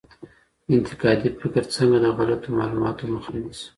انتقادي فکر څنګه د غلطو معلوماتو مخه نیسي؟